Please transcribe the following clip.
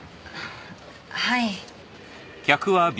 はい。